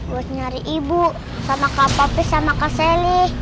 gua nyari ibu sama kak papi sama kak selly